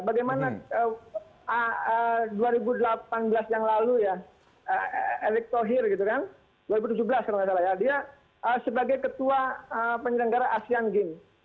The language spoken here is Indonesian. bagaimana dua ribu delapan belas yang lalu ya erick thohir gitu kan dua ribu tujuh belas kalau nggak salah ya dia sebagai ketua penyelenggara asean games